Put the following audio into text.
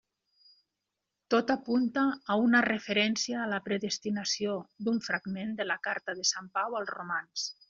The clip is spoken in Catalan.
Tot apunta a una referència a la predestinació d'un fragment de la carta de sant Pau als romans.